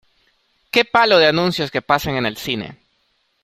¡Qué palo de anuncios que pasan en el cine!